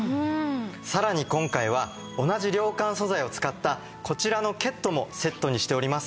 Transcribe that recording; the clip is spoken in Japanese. さらに今回は同じ涼感素材を使ったこちらのケットもセットにしております。